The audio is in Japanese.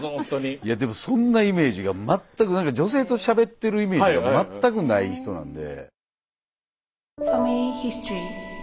いやでもそんなイメージが全く何か女性としゃべってるイメージが全くない人なんで。